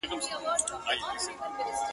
تم سه چي مُسکا ته دي نغمې د بلبل وا غوندم،